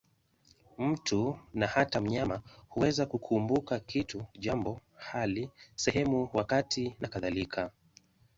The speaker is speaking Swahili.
Mtu, na hata mnyama, huweza kukumbuka kitu, jambo, hali, sehemu, wakati nakadhalika.